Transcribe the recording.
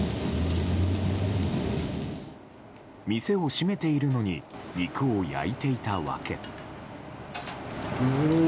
店を閉めているのに肉を焼いていた訳。